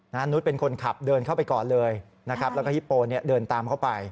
นุษย์เป็นคนขับเดินเข้าไปก่อนเลยนะครับแล้วก็ฮิปโปเนี่ยเดินตามเข้าไป